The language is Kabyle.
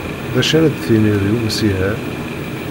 D acu ara d tiniḍ i umsiher?